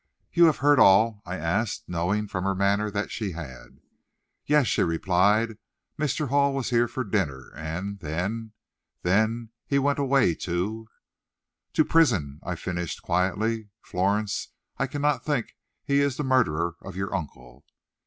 "You have heard all?" I asked, knowing from her manner that she had. "Yes," she replied; "Mr. Hall was here for dinner, and then then he went away to " "To prison," I finished quietly. "Florence, I cannot think he is the murderer of your uncle."